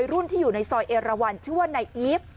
กลุ่มหนึ่งก็คือ